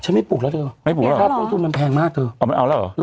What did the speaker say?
ฉันไม่ปลูกแล้วเถอะไม่ปลูกแล้วหรอมันแพงมากเถอะอ๋อมันเอาแล้วหรอ